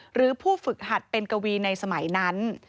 หรือผู้ฝึกหัดเป็นกวีในสมัยนั้น